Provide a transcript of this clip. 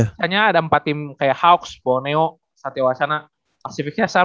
misalnya ada empat tim kayak hawks boneo satya wasana pacific crescent